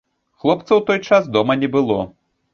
Хлопца ў той час дома не было.